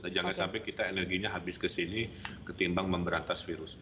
jangan sampai kita energinya habis kesini ketimbang memberantas virus